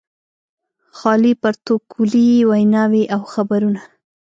خالي پروتوکولي ویناوې او خبرونه.